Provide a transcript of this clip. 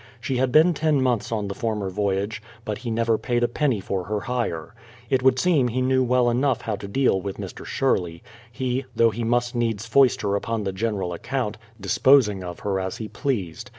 She had been ten months on the former voyage, but he never paid a penny for her hire. It would seem he knew well enough how to deal with Mr. Sherley — he, though he must needs foist her upon the general account, disposing of her as he pleased.